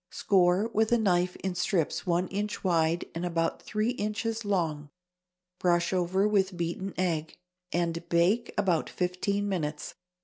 Score with a knife in strips one inch wide and about three inches long, brush over with beaten egg, and bake about fifteen minutes.